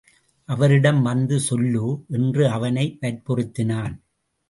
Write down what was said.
அவரிடம் வந்து சொல்லு என்று அவனை வற்புறுத்தினான்.